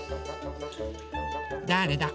だれだ？